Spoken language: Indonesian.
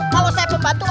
kalau saya pembantunya